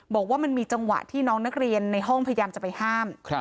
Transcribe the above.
บอกว่ามันมีจังหวะที่น้องนักเรียนในห้องพยายามจะไปห้าม